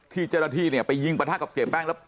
ที่เจ้าหน้าที่ไปยิงประทักษ์ฝากเสียแป้ง